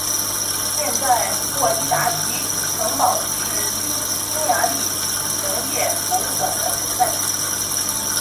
现在沃伊达奇城堡是匈牙利农业博物馆的所在地。